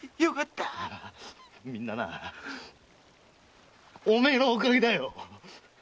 みんなお前のお陰だよ！